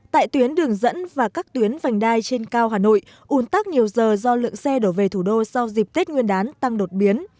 tại tuyến đường dẫn và các tuyến vành đai trên cao hà nội un tắc nhiều giờ do lượng xe đổ về thủ đô sau dịp tết nguyên đán tăng đột biến